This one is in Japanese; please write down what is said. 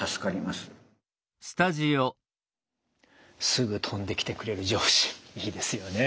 すぐ飛んできてくれる上司いいですよね。